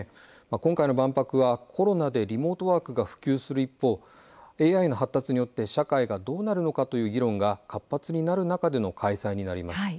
今回の万博はコロナでリモートワークが普及する一方ＡＩの発達によって社会がどうなのかという議論も活発になる中での開催になります。